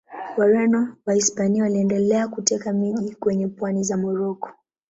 Wareno wa Wahispania waliendelea kuteka miji kwenye pwani za Moroko.